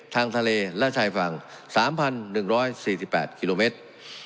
ทางทะเลและชายฝั่ง๓๑๔๘กิโลเมตร